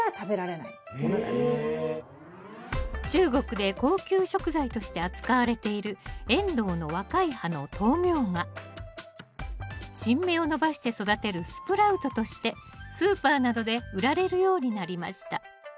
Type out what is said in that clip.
中国で高級食材として扱われているエンドウの若い葉の豆苗が新芽を伸ばして育てるスプラウトとしてスーパーなどで売られるようになりました